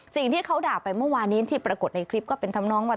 สิ่งที่เขาด่าไปเมื่อวานนี้ที่ปรากฏในคลิปก็เป็นทำน้องว่า